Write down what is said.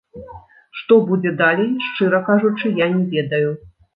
Што будзе далей, шчыра кажучы, я не ведаю.